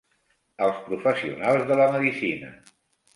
Els professionals de la medicina.